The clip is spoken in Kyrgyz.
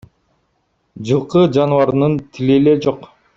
Жылкы жаныбарынын тили эле жок.